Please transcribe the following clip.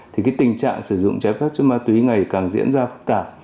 thì tình trạng sử dụng trái phép chất ma túy ngày càng diễn ra phức tạp